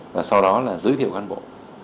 và sau đó là giới thiệu cán bộ